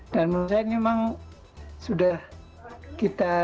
menurut saya ini memang sudah kita